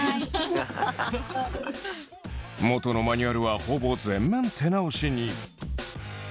元のマニュアルはほぼ全面手直しに。